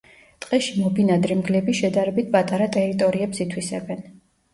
ტყეში მობინადრე მგლები შედარებით პატარა ტერიტორიებს ითვისებენ.